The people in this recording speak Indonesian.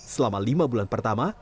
selama lima bulan pertama